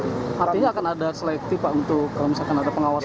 jadi artinya akan ada selektif untuk pengawasan